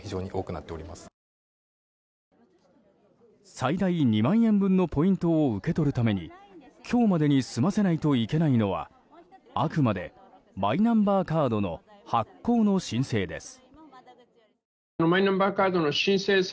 最大２万円分のポイントを受け取るために今日までに済ませないといけないのはあくまでマイナンバーカードの発行の申請です。